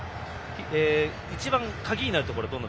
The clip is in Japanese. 一番、鍵になるところは？